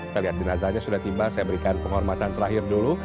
kita lihat jenazahnya sudah tiba saya berikan penghormatan terakhir dulu